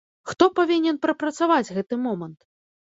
Хто павінен прапрацаваць гэты момант?